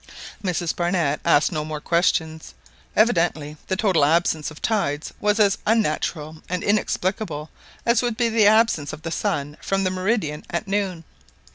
Mrs Barnett asked no more questions. Evidently the total absence of tides was as unnatural and inexplicable as would be the absence of the sun from the meridian at noon.